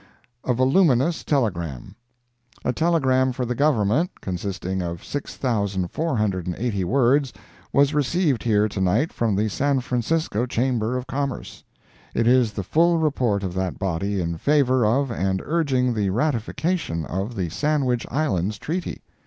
A Voluminous Telegram. A telegram for the Government, consisting of 6,480 words, was received here to night from the San Francisco Chamber of Commerce. It is the full report of that body in favor of and urging the ratification of the Sandwich Islands treaty.